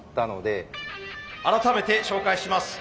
改めて紹介します。